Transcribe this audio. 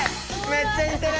めっちゃにてる！